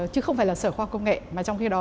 chứ không phải là sở khoa công nghệ mà trong khi đó